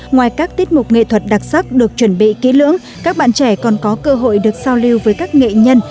ngoài các tiết mục nghệ thuật đặc sắc được chuẩn bị kỹ lưỡng các bạn trẻ còn có cơ hội được giao lưu với các nghệ nhân